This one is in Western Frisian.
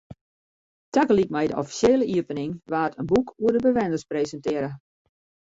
Tagelyk mei de offisjele iepening waard in boek oer de bewenners presintearre.